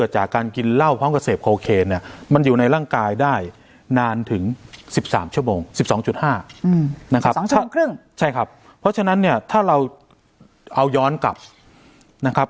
ใช่ครับเพราะฉะนั้นถ้าเราเอาย้อนกลับ